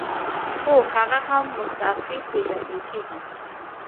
هو هغه هم مستعفي پیژندل کیږي.